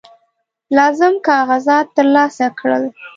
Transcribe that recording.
لازم کاغذات ترلاسه کړل.